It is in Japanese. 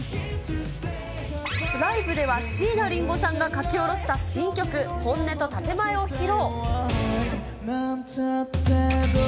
ライブでは、椎名林檎さんが書き下ろした新曲、本音と建物を披露。